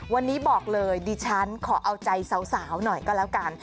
วันนี้บอกเลยดิฉันขอเอาใจสาวหน่อยก็แล้วกัน